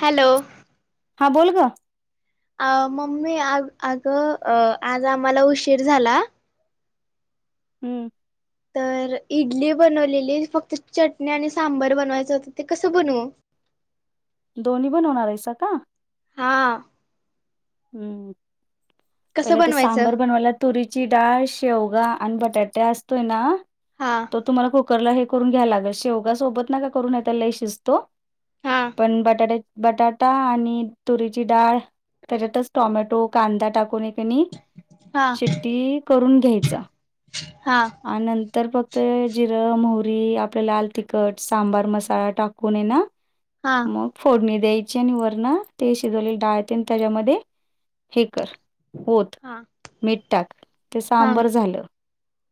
Hello. हा बोल गं. अं मम्मी आ आगं आज आम्हाला उशीर झाला हम्म तर इडली बनवलेली, फक्त चटणी आणि सांबर बनवायचं तं ते कसं बनवू? दोन्ही बनवणार आहेसा का? हा. हम्म कसं पहिला ते बनवायचं सांबर बनवायलात तुरीची डाळ, शेवगा आणि बटाटे असतोय ना हा. तो तुम्हाला कुकरला हे करून घ्या लागल. शेवगा सोबत नका करू नहीतं लय शिजतो. हा पण बटाटे बटाटा आणि तुरीची डाळ त्याच्यातच टॉमॅटो, कांदा टाकून एकणी हा शीट्टी करून घ्यायचा. हा आणि नंतर फक्त जिरं, मोहरी, आपल्या लाल तिखट, सांबार मसाला टाकून ये ना हा मग फोडणी द्यायची आणि वरनं ते शिजवलेली डाळ तेन त्याच्यामध्ये हे कर. ओत, हा मिठ टाक, ते हा सांबर झालं.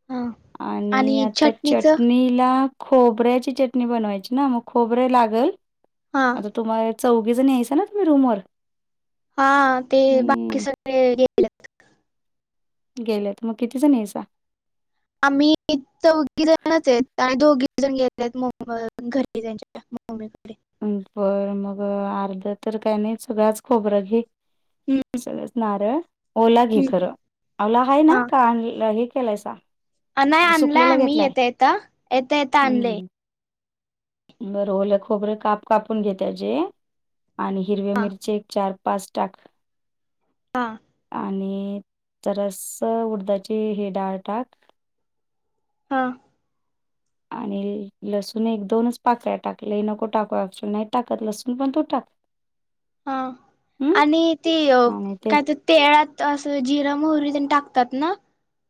हा आणि आता चटणीच हा चटणी तिला खोबऱ्याची चटणी बनवायची ना? मग खोबरे लागल. हा. आता तुम्हाला चौघी जणी हायस ना तुम्ही रूम वर? हा ते बाकी सगळे गेल्यात. गेल्यात, मं किती जणी हायसा? आम्ही इथं चौघी जणचहेत आणि दोघी जण गेलेत घरीचे त्यांच्या. मुंबईकडे बर मग अर्ध तर काही नाहि खोबरं घे. हम्म सगळंच नारळ ओला घे हम्म खरं, ओला हा हायना? का आण हे केलायसा नाही आणलाय सुकलेला आम्ही घेतलाय येता येता, येता येता आणलंय. हम्म, बरं ओलं खोबरे काप कापून घे त्याचे आणि हिरव हा मिरचे चार पाच टाक. हां. आणि जरासं उडदाची हे डाळ टाक. हम्म. आणि लसूण एक दोनच पाकळ्या टाक, लय नको टाकू नाही टाकत लसून पण तू टाक. हा हम्म आणि ती आणि ते काय त्यात. तेळात असं जिर, मोहंरी त्यांनी टाकतात ना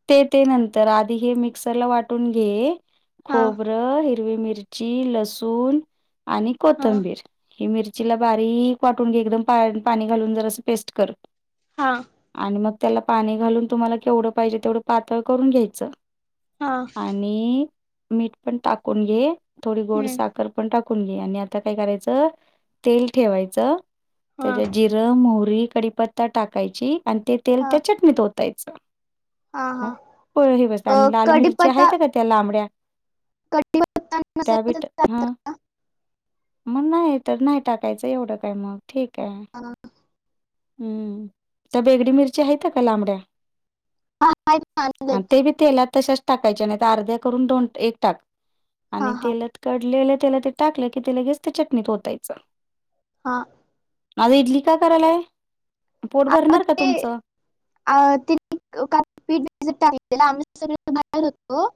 ते ते नंतर, आधी हे मिक्सर ला वाटून घे, हा खोबर हिरवी मिरची, लसूण आणि हा कोथंबीर. ही मिरचीला बारीक वाटून घे, एकदम पा पाणी घालून जरासं पेस्ट कर. हा. आणि मग त्याला पाणी घालून, तुम्हाला केवढं पाहिजे तेवढं पातळ करून घ्यायचं. हा आणि मीठ पण टाकून घे, थोडी गोड हम्म साखर पण टाकुन घे. आणी आता काय करायचं, तेल ठेवायचं हा त्याच्यात जिरं जिरं मोहरी कडीपत्ता टाकायची आणि ते तेल हा त्या चटणीत होतायच. हा मग हा हो प हे बसते अ आणि लाली मिरची कडीपत्ता आहेत्या का? त्या लांबड्या कडीपत्ता त्या बी नसेल टा हा, मग नाही तर नाही टाकायचं एवढं काय मग. ठीक आहे तर हम्म त्या बेगडी मिरची आहेत त्या का लांबड्या. हा का [inaudible] आनंद आणि आहेत ते बी तेलात तशाच टाकायच्या नाही तर अर्ध्या करून दोन एक टाक हा आणि हा तेलात. कडलेल्या त्याला ते टाकलं की ते लगेच ते चटणीत होतायच. हा, आज इडली का करायलाय पोट अगं भरणार का ते तुमचं. अ तिने का पीठ [inaudible] टाकले आम् सग बाहेर होतो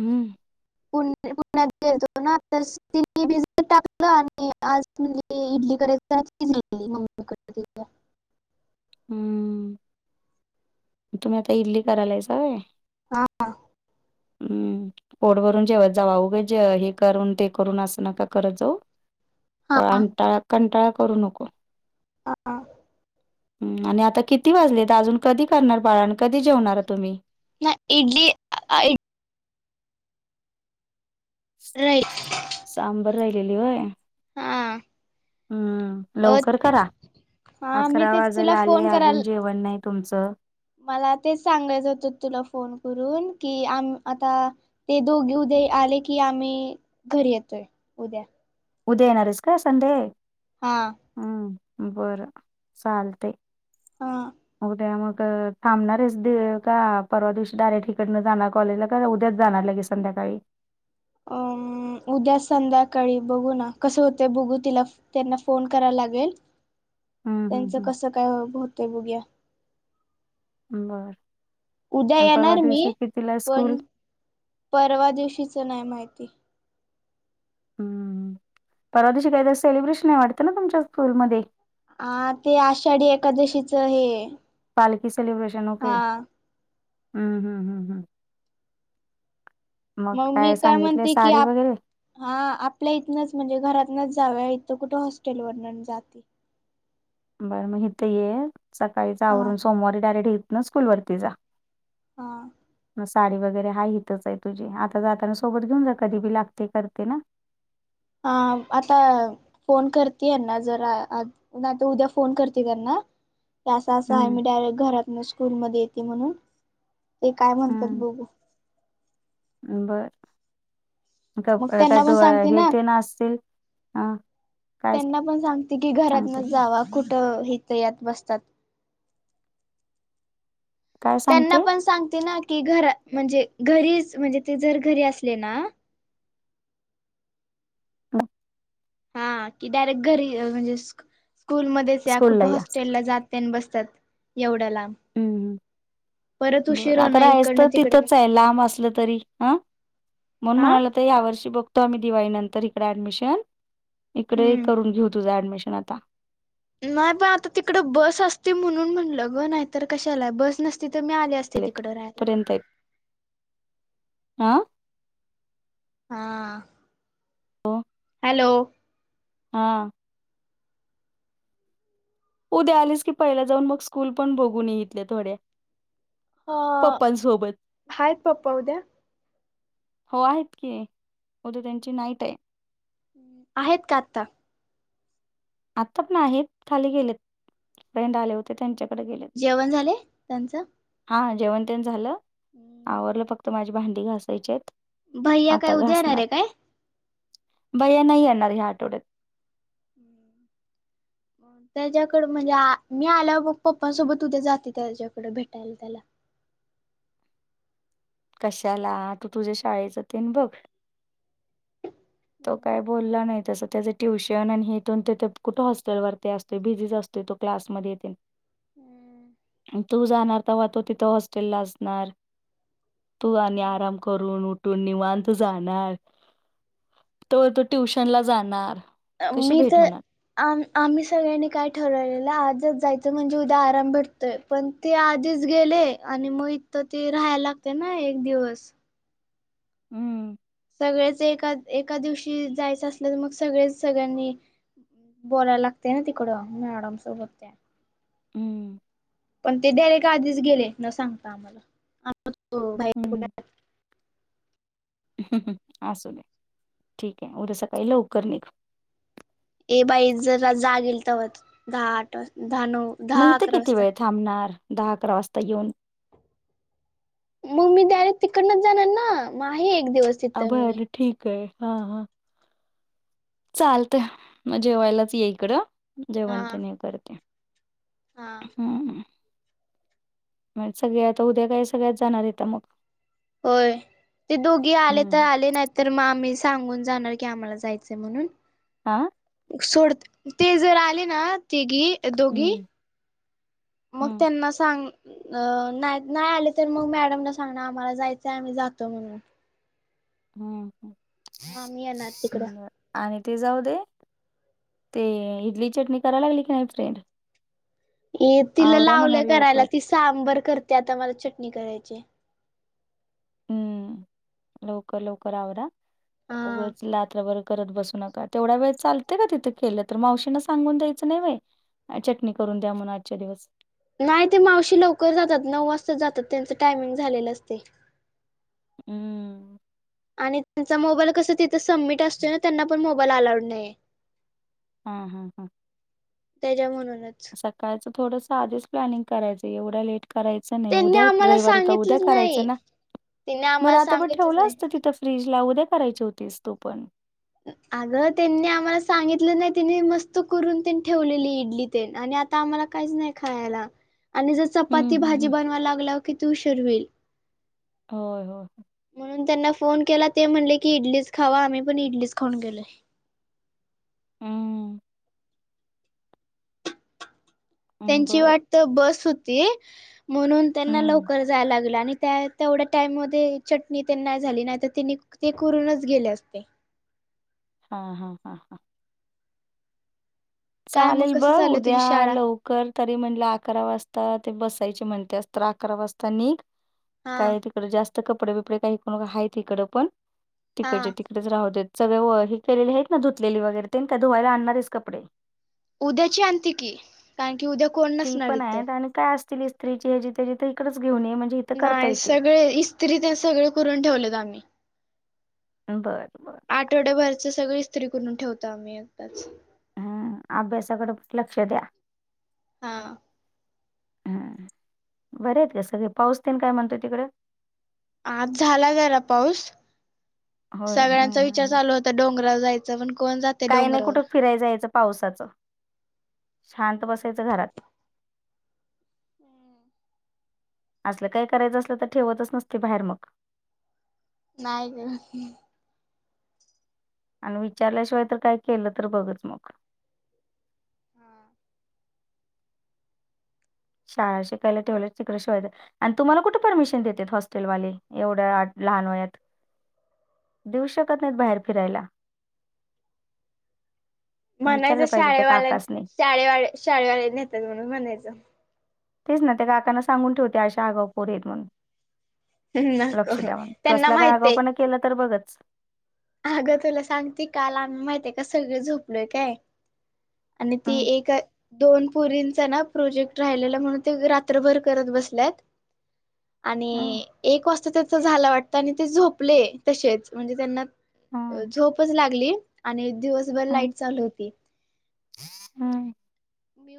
हम्म, पु पुण्यात [inaudible] गतो ना तर ति टाकलं आणि [inaudible] आज म्हणजे इडली करायचिली म क [inaudible] आहे हम्म, तुम्ही आता इडली करायलायसा होय. हा हा, हम्म, पोट भरून जेवत जावा उगाच जेव हे करून ते करून अस नका करत जाऊ. कंटाळा कंटाळा करू नको. हा हम, आणि आता किती वाजलेत अजून कधी करणार बाळाण कधी जेवणारा तुम्ही. ना इडली आ इ, रईट. सांबर राहिलेली वय. हा, हम्म, अ लवकर करा हा मी अकरा ते तुला वाजायला आले फोन करायला अजून जेवण नाही. तुमचं. मला तेच सांगायचं होत तुला फोन करून कि आम आता. ते दोघी उद्या आले की आम्ही घरी येतोय उद्या. उदय येणार आहेस का संडे. हा, हम, बरं चालते हा उद्या मग. थांबणार आहेच दे का परवा दिवशी डायरेक्ट इकडनं जाणार कॉलेजला का उद्याच जाणार लगे संध्याकाळी. अ उद्या संध्याकाळी बघू ना कसं होत बघू तिला फोन. त्यांना फोन करा लागेल हम्म त्यांचं हम्म कस काय हो होतय बघ्या. बरं. उद्या येणार मी स्कूल पण परवा दिवशीच नाही माहिती. हम् परवा दिशी काहीतरी सेलिब्रेशन आहे वाटतं ना तुमच्या स्कूलमध्ये. अ ते आषाढी एकादशीच हे. पालकी सेलब्रेशन होके हा हम हम हम हम, मग मी काय सांगितले म्हणते की साडी आप वगैरे. हा आपल्या इथनंच म्हणजे घरातनच जाव्या इथं कुठे हॉस्टेल वरन जाती. बरं मग इथं ये सकाळी हा जावरून सोमवारी डायरेक्ट येत ना स्कूल वरती जा. ''हां'' मग साडी वगैरे हा हितच आहे तुझी, आता जाताना सोबत घेऊन जा कधी बी लागते करते ना. अं आता फोन करते यांना जरा, आत नाय उद्या फोन करते त्यांना. ते असं असं आहे हम्म मी डायरेक्ट घरात स्कूल मध्ये येते म्हणून, ते काय म्हणतात हम्म बघू. बर, मग त्यांना पण सांगते ना [unintelligible] काय त्यांना पण सांगते की घरात न सांगते जावा. कुठं हित यात बसतात. काय त्यांना सांगते पण सांगते ना कि घरा म्हणजे घरीच, म्हणजे ते जर घरी असले ना [unintelligible] हा की डायरेक्ट घरी अ म्हणजे स्कूलमध्येच या स्कूल कुठे ला हॉस्टेलला जात त्यांन बसतात एवढ्या लांब परत बर, उशीर आता होणार राहाच इकडनं तर तिकडे तिथंच आहे लांब असलं तरी हं म्हण आ म्हणाल, तर या वर्षी बघतो आम्ही दिवाळी नंतर इकड ऍडमिशन. इकडे हम्म करून घेऊ तुझा ऍडमिशन आता. नाही पण आता तिकड बस असती म्हणून म्हणलं ग, नाहीतर कशाला बस नसती तर मी आली अस [unintelligible] पर्यंत [unintelligible] हं हॅलो अं उद्या आलीच की, पहिल्या जाऊन मग स्कूल पण बघून ये इतल्या थोड्या. ह पप्पांसोबत, आहेत पप्पा उद्या हो आहेत की, उद्या त्यांची नाईट आहे. आहेत का आत्ता? आतात नाहीत, खाली गेलेत फ्रेंड आले होते त्यांच्याकडे गेले. जेवण झाले त्यांचं? हा जेवण तेण झालं, आवरलं फक्त माझी भांडी घासायचीयेत. भैया काय आता उद्या येणार घासणार, आहे काय भया नाही येणार ह्या आठवड्यात. त्याच्याकड म्हणजे मी आल्या बग पप्पां सोबत उद्या जाते त्याच्याकडे भेटायला त्याला. कशाला, तू तुझ्या शाळच तेन बघ. तो काय बोलला नाही तस, त्याच ट्युशन आणि हिथून तिथे कुठे हॉस्टेलवररती असतो बिझी असतो. तो क्लासमध्ये येते. हम्म तू जाणार तवा तो तिथं हॉस्टेलला असणार. तू आणि आराम करून उठून निवांत जाणार. तो [unintelligible] ट्युशन ला जाणार. अ कशी मी भेट तर होणार आम आम्ही सगळ्यांनी काय ठरवलेलं आजच जायचं म्हणजे उद्या आराम भेटतोय. पण ते आधीच गेले, आणि मग इ तर ते राहायला लागते ना एक दिवस. हम्म सगळेच एका एका दिवशी जायचं असलं तर मग सगळेच सगळ्यांनी बोलायला लागते ना तिकडं मॅडम सोबत ते हम्म पण ते डारेक्ट आधीच गेले न सांगता आम्हाला हम्म [unintelligible] [unintelligible] असूदे, ठीक आहे. उद्या सकाळी लवकर निघ. ए बाई जरा जाग येईल तवाच दहा-आठ वाज दहा-नऊ. मग इथं किती वेळ थांबणार? दहा अकरा वाजता येऊन मग मी डायरेक्ट तिकडनच जाणार ना, मग आहे एक दिवस तिथं मी बर ठीक आहे. हा हां चालतय, मग जेवायलाच या इकडं हा जेवण तेन हे करते. हा हम्म म सगळी आता उद्या काय? सगळ्याच जाणार आहेता मग होय, ते दोघी आले तर हम्म आले नाही तर मग आम्ही सांगून जाणार की, आम्हाला जायचंय म्हणून हां सोड. ते जर आले ना तिघी दोघी हम्म मग हम्म त्यांना सांग अ नाही, नाही आले तर मग मॅडमला सांगणार आम्हाला जायचंय आम्ही जातो म्हणून हम्म ह मामी येणार तिकडं आणि ते जाऊ दे, ते इडली चटणी करायला लागली की नाही फ्रेंड? ये तिला आवरा म्हणाव लावलंय करायला लवकर ती सांबर करते आता मला चटणी करायची हम्म लवकर लवकर आवरा, हा उगच रात्रभर करत बसू नका. तेवढ्या वेळ चालतय का तिथे केलं तर? मावशीना सांगून द्यायचं नाही व्हय चटणी करून द्या म्हणून आजच्या दिवस नाही ते मावशी लवकर जातात, नऊ वाजता जातात, त्यांचं टायमिंग झालेलं असतय हम्म आणि त्यांचा मोबाईल कसं तिथं सबमिट असतोय ना, त्यांना पण मोबाईल अलाउड नाहीय हा हा हा तेज्या म्हणूनच सकाळचं थोडंस आधीच प्लॅनिंग करायचं. एवढा लेट करायचं नाही. त्यांनी उद्या आम्हाला रविवार होता उद्या सांगितलंच नाही करायचं ना? त्यांनी म आम्हाला रातबर सांगितलंच ठेवलं नाही. असतं तिथं? फ्रीजला, उद्या करायची होतीस तू पण. अगं तेनी आम्हाला सांगितलं नाही, तेनी मस्त करून तेन ठेवलेली इडली तेन आणि आत त्ता आम्हाला काहीच नाही खायला आणि जर हं, चपाती हं, भाजी हं. बनवा लागल्याव कीती उशीर होईल. होय होय म्हणून त्यांना फोन केला ते म्हणले की, इडलीच खावा आम्ही पण इडलीच खाऊन गेलोय हम्म हं. तेंची बरं. वाटत बस होती म्हणून त्यांना हं. लवकर जाय लागलं आणि त्यात तेवढ्या टाईममध्ये चटणी तेन नाही झाली नाही तर तेंनी ते करूनच गेले असते. हा हा हा हा काय मग चालेल कसं बघ चालू तुझी उद्या शाळा? लव कर तरी म्हणलं, अकरा वाजता ते बसायची म्हणत्यास तर अकरा वाजता निघ. हा काय तिकड जास्त कपडे बिपडे काय हे करू नको हायत इकड पण हा तिकडचे तिकड डच राहूदेत, सगळे हे केलेले आहेत ना धुतलेली वगैरे तेन? का धुवायला आणणार आहेस कपडे? उद्याची आणते की, कारण की उद्या कोण ती नसणार पण इथं. आहेत आणि काय असतील इस्त्रीचे हेजे तेजे ते इकडच घेऊन येे म्हणजे इथं करता नाही, येतील. सगळे इस्त्री तेन सगळं करून ठेवलेत आम्ही बरं. आठवड्याभरचं सगळी इस्त्री करून ठेवतो आम्ही एकदाच. हा, अभ्यासाकडे पण लक्ष द्या. हा. हा, बरे आहेत का सगळे? पाऊसतेन काय म्हणतोय तिकडं? आज झाला जरा पाऊस. होय हम्म सगळ्यांचा विचार हम्म चालू होता डोंगरावर जायचं, पण कोण जातंय काही नाही डोंगरावर कुठं फिराय जायचं. पावसाचं, शांत बसायचं घरात. असलं काही करायचं असलं, तर ठेवतचं नसते बाहेर मग. नाही ग. आणि विचारल्याशिवाय तर काय केलं तर बघच मग. शाळा शिकायला ठेवलंय शिकल्या शिवाय आणि तुम्हाला कुठं परमिशन देतेत हॉस्टेलवाले एवढ्या लहान वयात देऊ शकत नाहीत बाहेर फिरायला. विचारलं पाहिजे त्या काकासनी. शाळेवा शाळेवाले नेतात म्हणून म्हणायचं. तेच ना त्या काकांना सांगून ठेवते अशा आगाव पोरी आहेत म्हणून. नको लक्ष द्यावा, तू त्यांना असला काय आगाव माहितय पणा केला तर बघचं. अगं तुला सांगते काल आम्ही माहितीय का सगळे झोपलोय काय? आणि ती हम्म एक दोन पुरींचा ना प्रोजेक्ट राहिलेला म्हणून ते रात्रभर करत बसल्यात [inaudible] हम्म आणि एक वाजता त्याचा झाला वाटतं आणि ते झोपले तसेच म्हणजे त्यांना हम्म झोपचं लागली आणि दिवसभर हम्म लाईट चालू होती. हम्म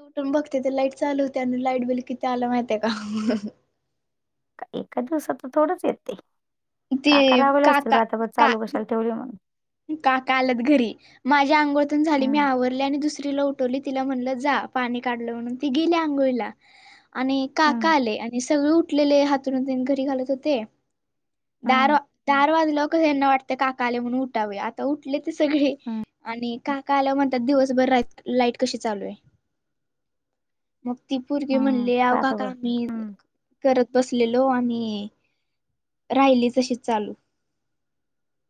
उठून बघते ते लाईट चालू होते आणि लाईट बिल किती आला माहितीय का? का एका दिवसात तर थोडंच येते, ते काका रागवले असतील काका रात्रभर का चालू कशाला ठेवली म्हणून? काका आलेत घरी. माझ्या अंघोळ तेन झाली मी हम्म आवरली आणि दुसरीला उठवली तिला, म्हणलं जा पाणी काढलं म्हणून ती गेली अंघोळीला आणि काका हम्म आले आणि सगळे उठलेले हातरून ते घडी घालत होते. दार वा हम्म दार वाजलं कसं यांना वाटते काका आले म्हणून उठावे आता उठले ती सगळी हम्म आणि काका आल्यावर म्हणतात दिवसभर राईट लाईट कशी चालू आहे? मग ती पोरगी हम्म म्हणाली अहो रात्रभर काका मी हम्म करत बसलेलो आणि राहिली तशीच चालू.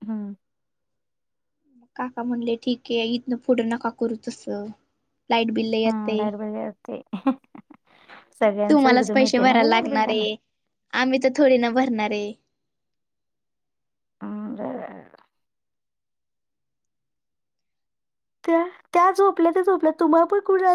हम्म. काका म्हणले ठीक आहे, इथनं पुढं नका करू तसं. लाईट बिल लई हम्म येतंय. लाईट बिल येते सगळ्यांचं तुम्हालाच एकदम पैसे येते ना ग भराला लाईट बिल लागणारे, त्यांना आम्ही तर थोडी ना भरणारे. हम्म. [unintelligible] त्या त्या झोपल्या त्या झोपल्या तुम्हाला पण कुणाला